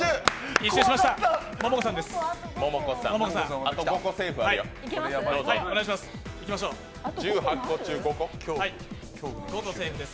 １周しました、モモコさんです。